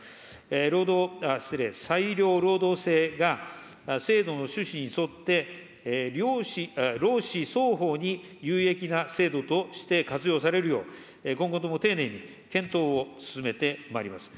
労働、失礼、裁量労働制が制度の趣旨に沿って、労使双方に有益な制度として活用されるよう、今後とも丁寧に検討を進めてまいります。